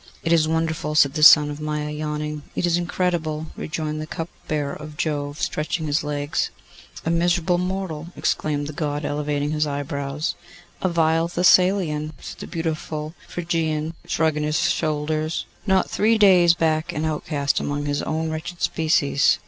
'It is wonderful,' said the son of Maia, yawning. 'It is incredible,' rejoined the cupbearer of Jove, stretching his legs. 'A miserable mortal!' exclaimed the God, elevating his eyebrows. 'A vile Thessalian!' said the beautiful Phrygian, shrugging his shoulders. 'Not three days back an outcast among his own wretched species!